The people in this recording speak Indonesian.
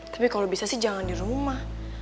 tapi kalau bisa sih jangan di rumah